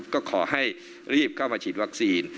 ก็ขอให้รีบเข้ามาฉีดวัคซีน